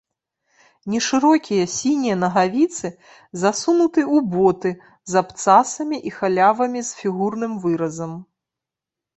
Нешырокія сінія нагавіцы засунуты ў боты з абцасамі і халявамі з фігурным выразам.